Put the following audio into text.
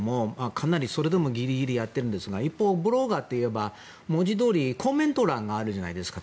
かなり、それでもギリギリでやってるんですが一方、ブロガーといえばコメント欄がたくさんあるじゃないですか。